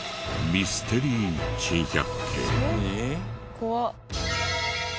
怖っ！